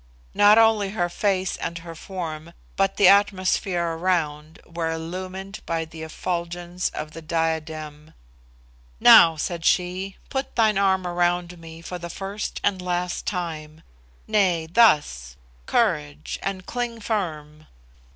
Not only her face and her form, but the atmosphere around, were illumined by the effulgence of the diadem. "Now," said she, "put thine arm around me for the first and last time. Nay, thus; courage, and cling firm."